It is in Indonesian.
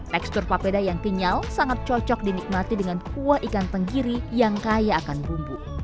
tekstur papeda yang kenyal sangat cocok dinikmati dengan kuah ikan tenggiri yang kaya akan bumbu